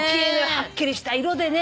はっきりした色でね。